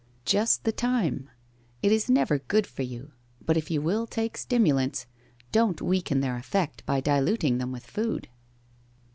' Just the time. It is never good for you, but if you will take stimulants, don't weaken their effect by diluting them with food.'